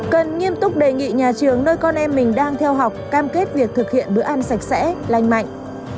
cần nghiêm túc đề nghị nhà trường nơi con em mình đang theo học cam kết việc thực hiện bữa ăn sạch sẽ lanh mạnh